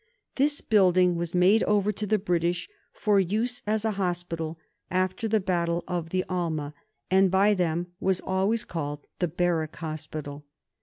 This building was made over to the British for use as a hospital after the Battle of the Alma, and by them was always called The Barrack Hospital.